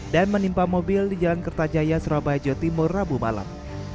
dan menimpa mobil di jalan kertajaya surabaya jawa timur rabu malam